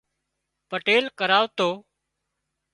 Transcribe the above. پٽيل ڪرواتو